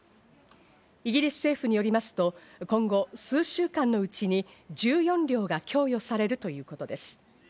イギリス政府によりますと今後、数週間のうちに１４両が供与されるということです。